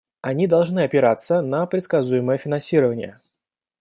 Они должны опираться на предсказуемое финансирование.